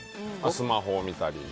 スマホを見たり。